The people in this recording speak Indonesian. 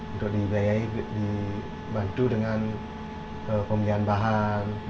untuk dibiayai dibantu dengan pembelian bahan